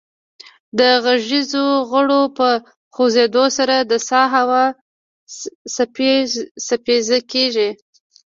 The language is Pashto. د غږیزو غړو په خوځیدو سره د سا هوا څپیزه کیږي